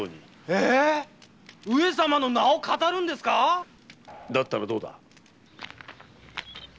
えー⁉上様の名を騙るんですか⁉だったらどうだ？